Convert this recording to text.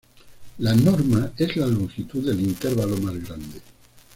La "norma" es la longitud del intervalo más grande.